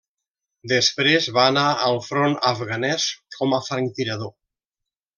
Després va anar al front afganès com a franctirador.